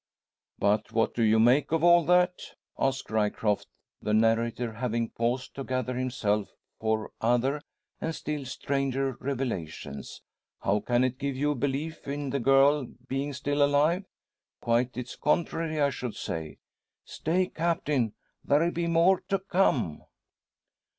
"But what do you make of all that?" asks Ryecroft, the narrator having paused to gather himself for other, and still stranger revelations. "How can it give you a belief in the girl being still alive? Quite its contrary, I should say." "Stay, Captain! There be more to come."